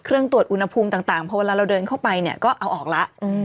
ตรวจอุณหภูมิต่างพอเวลาเราเดินเข้าไปเนี่ยก็เอาออกแล้ว